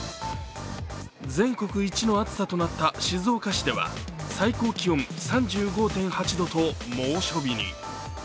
全国一の暑さとなった静岡市では最高気温３５．８度と猛暑日に。